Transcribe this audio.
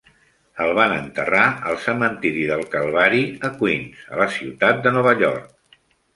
El van enterrar al cementiri del Calvari a Queens, a la ciutat de Nova York.